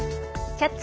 「キャッチ！